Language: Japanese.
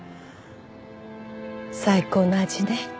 最高の味ね。